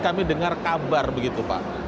kami dengar kabar begitu pak